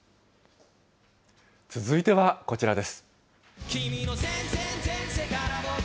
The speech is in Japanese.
続いてはこちらです。